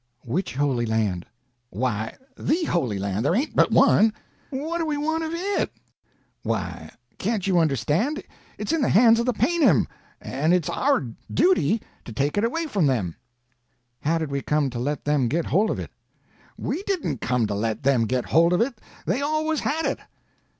"Which Holy Land?" "Why, the Holy Land—there ain't but one." "What do we want of it?" "Why, can't you understand? It's in the hands of the paynim, and it's our duty to take it away from them." "How did we come to let them git hold of it?" "We didn't come to let them git hold of it. They always had it."